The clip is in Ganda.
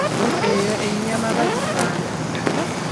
Eyo ennyama bagikanda.